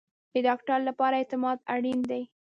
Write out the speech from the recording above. د ډاکټر لپاره اعتماد اړین دی